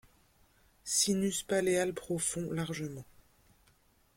Sinus palléal profond, largement.